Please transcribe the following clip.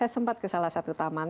saya sempat ke salah satu taman